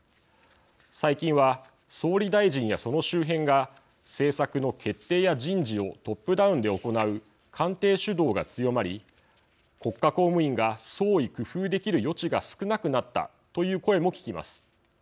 最近は総理大臣やその周辺が政策の決定や人事をトップダウンで行う官邸主導が強まり国家公務員が創意工夫できる余地が少なくなったという声も聞きます。